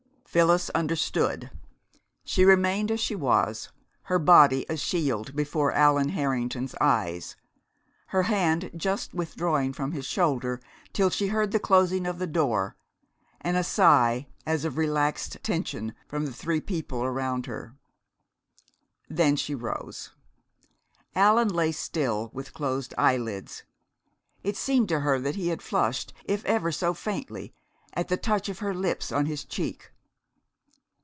Phyllis understood. She remained as she was, her body a shield before Allan Harrington's eyes, her hand just withdrawing from his shoulder, till she heard the closing of the door, and a sigh as of relaxed tension from the three people around her. Then she rose. Allan lay still with closed eyelids. It seemed to her that he had flushed, if ever so faintly, at the touch of her lips on his cheek.